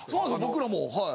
僕らもはい。